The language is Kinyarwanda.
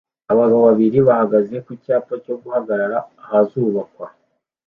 Abagabo babiri bahagaze ku cyapa cyo guhagarara ahazubakwa